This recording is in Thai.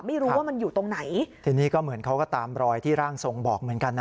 ไม่รู้ว่ามันอยู่ตรงไหนทีนี้ก็เหมือนเขาก็ตามรอยที่ร่างทรงบอกเหมือนกันนะ